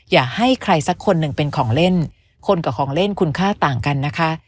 อย่าให้ใครสักคนหนึ่งเป็นของเล่นคนกับของเล่นคุณค่าต่างกันนะคะ